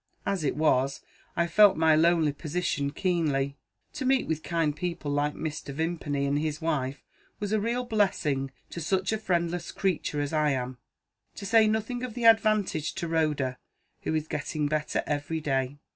As it was, I felt my lonely position keenly. To meet with kind people, like Mr. Vimpany and his wife, was a real blessing to such a friendless creature as I am to say nothing of the advantage to Rhoda, who is getting better every day.